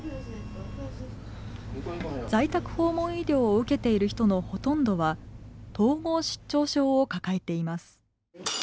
在宅訪問医療を受けている人のほとんどは統合失調症を抱えています。